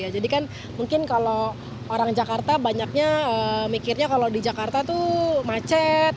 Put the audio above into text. jadi kan mungkin kalau orang jakarta banyaknya mikirnya kalau di jakarta itu macet